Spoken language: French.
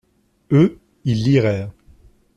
Eux, ils liraient.